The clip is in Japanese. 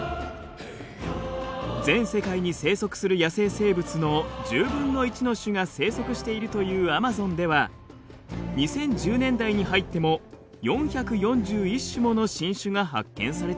全世界に生息する野生生物の１０分の１の種が生息しているというアマゾンでは２０１０年代に入っても４４１種もの新種が発見されています。